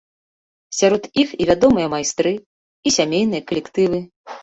Сярод іх і вядомыя майстры, і сямейныя калектывы.